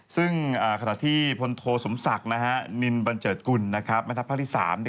ซึ่งขณะที่พลโทสมศักดิ์นินบันเจิดกุลแม่ทัพภาคที่๓